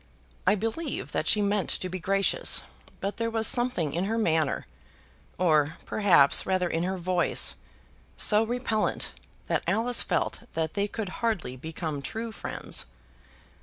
I believe that she meant to be gracious, but there was something in her manner, or, perhaps, rather in her voice, so repellant, that Alice felt that they could hardly become true friends.